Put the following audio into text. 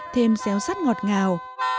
thêm réo sắt ngọt ngào